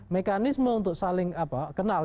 mekanisme untuk saling kenal